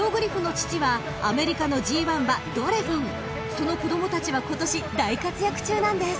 ［その子供たちは今年大活躍中なんです］